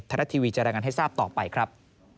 รัฐทีวีจะรายงานให้ทราบต่อไปครับ